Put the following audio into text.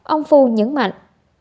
ông phu nhấn mạnh